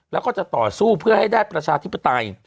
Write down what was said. แล้วก็จะต่อสู้เพื่อให้ได้ประชาธิปไตย